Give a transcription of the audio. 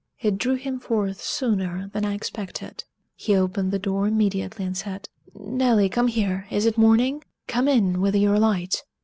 It drew him forth sooner than I expected. He opened the door immediately, and said: "Nelly, come here is it morning? Come in with your light."